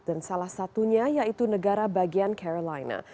dan salah satunya yaitu negara bagian carolina